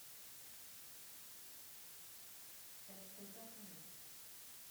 Elles sont affamées.